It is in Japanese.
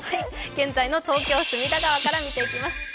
現在の東京・隅田川から見ていきます。